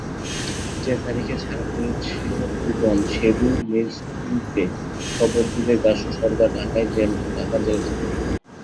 যে তারিখে ছাড়া পেয়েছে ভুবন সেইদিন ম্যাজেস্টেরিতে খবর দিলে দাশু সর্দার ঢাকার জেলখানায়।